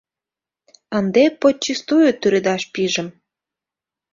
Ынде «подчистую» тӱредаш пижым.